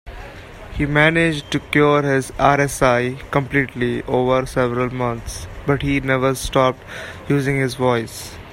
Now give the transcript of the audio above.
He managed to cure his RSI completely over several months, but he never stopped using his voice.